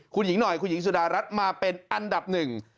คุณหญิงหน่อยคุณหญิงสุดารัฐมาเป็นอันดับหนึ่ง